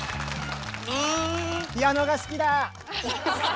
ピアノが好きだ！